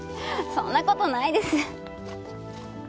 そんなことないです。